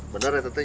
bener ya tentunya